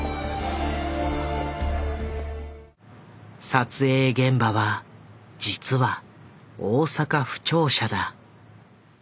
撮影現場は実は大阪府庁舎だ。